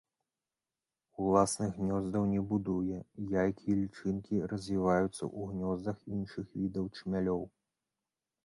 Уласных гнёздаў не будуе, яйкі і лічынкі развіваюцца ў гнёздах іншых відаў чмялёў.